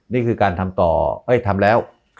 นี่คือการทำต่อเอ้ยทำแล้ว